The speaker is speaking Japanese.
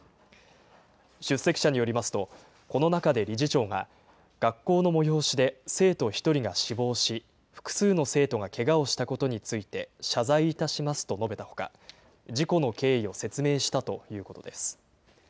出席者によりますと、この中で理事長が、学校の催しで生徒１人が死亡し、複数の生徒がけがをしたことについて謝罪いたしますと述べたほか、事故の経緯を説明したということです。